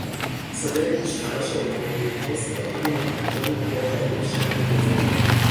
صدای گوشخراشاتومبیلها و صداهای ناهنجار دیگر در یک شهر بزرگ